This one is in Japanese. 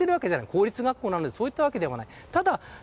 公立学校なのでそういったわけではない。